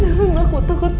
jangan aku takut